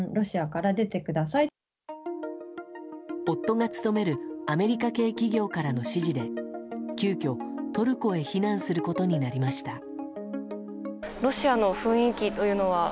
夫が務めるアメリカ系企業からの指示で急きょ、トルコへ避難することになりました。